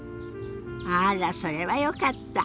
あらそれはよかった。